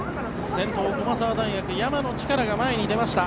先頭、駒澤大学山野力が前に出ました。